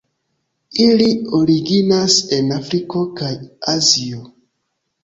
Ili originas en Afriko kaj Azio.